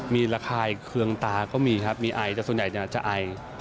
มีระคายเคืองตาก็มีครับมีไอแต่ส่วนใหญ่จะไอ